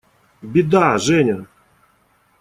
Беда, Женя!